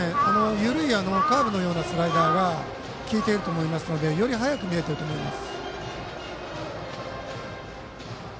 緩いカーブのようなスライダーが効いていると思いますのでより速く見えると思います。